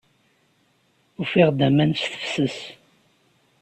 Ufiɣ-d aman s tefses.